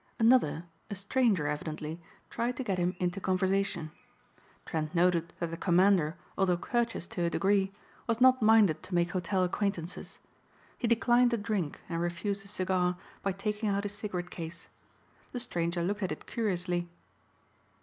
C. Another, a stranger evidently, tried to get him into conversation. Trent noted that the Commander, although courteous to a degree, was not minded to make hotel acquaintances. He declined a drink and refused a cigar by taking out his cigarette case. The stranger looked at it curiously.